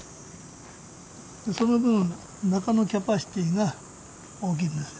その分中のキャパシティーが大きいんですよ。